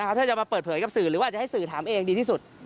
ถ้าจะมาเปิดเผยกับสื่อหรือว่าจะให้สื่อถามเองดีที่สุด